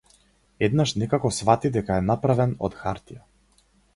Еднаш некако сфати дека е направен од - хартија.